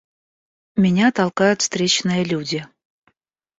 Меня толкают встречные люди.